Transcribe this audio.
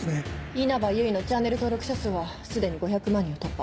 因幡由衣のチャンネル登録者数は既に５００万人を突破。